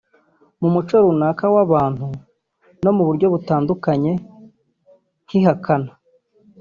mu muco runaka w’abantu no mu buryo butandukanye nk’ihakana